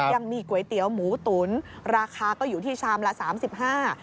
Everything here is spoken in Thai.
ยังมีก๋วยเตี๋ยวหมูตุ๋นราคาก็อยู่ที่ชามละสามสิบห้า